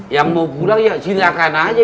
yang mau pulang ya silahkan aja